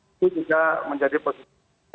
itu juga menjadi posisi ya